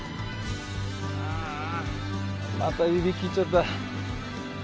ああまた指切っちゃった。